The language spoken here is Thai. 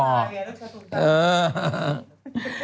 ใช่เนี่ยลูกชายตุมตาม